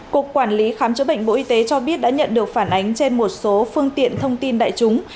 cục quản lý khám chữa bệnh bộ y tế cho biết đã nhận được phản ánh trên một số phương tiện thông tin đại chúng